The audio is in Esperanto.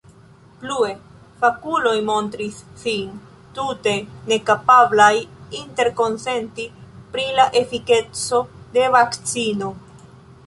Plue: fakuloj montris sin tute nekapablaj interkonsenti pri la efikeco de vakcino.